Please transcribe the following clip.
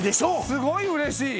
すごいうれしい。